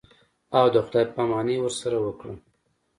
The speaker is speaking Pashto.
او د خداى پاماني ورسره وکړم.